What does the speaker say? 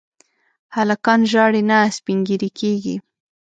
هلکان ژاړي نه، سپين ږيري کيږي.